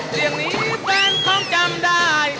เสียงนี้เฟนคงจำได้